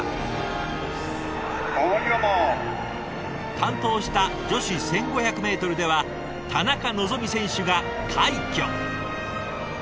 担当した女子１５００メートルでは田中希実選手が快挙。